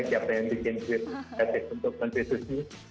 siapa yang bikin tweet kreatif untuk menteri susi